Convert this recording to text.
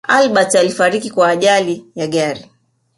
albert alifariki kwa ajari ya gari